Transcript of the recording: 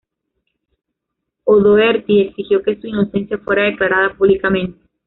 O'Doherty exigió que su inocencia fuera declarada públicamente.